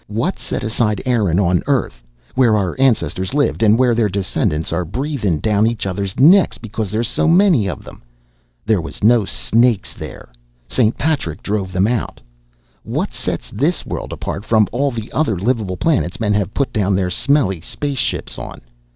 What set aside Erin on Earth, where our ancestors lived an' where their descendants are breathin' down each other's necks because there's so many of them? There was no snakes there! St. Patrick drove them out. What sets this world apart from all the other livable planets men have put down their smelly spaceships on?